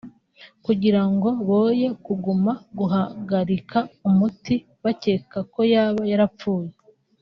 kugira ngo boye kugumya guhagarika umutima bakeka ko yaba yarapfuye